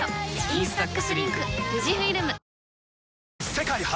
世界初！